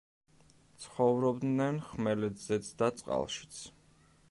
ცხოვრობდნენ ხმელეთზეც და წყალშიც.